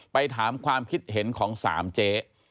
ไปถามความคิดเห็นของ๓เจ๊